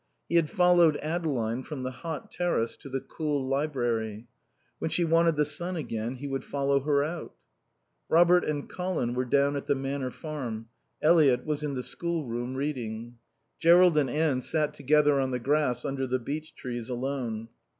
He had followed Adeline from the hot terrace to the cool library. When she wanted the sun again he would follow her out. Robert and Colin were down at the Manor Farm. Eliot was in the schoolroom, reading. Jerrold and Anne sat together on the grass under the beech trees, alone.